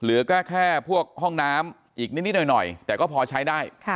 เหลือก็แค่พวกห้องน้ำอีกนิดหน่อยแต่ก็พอใช้ได้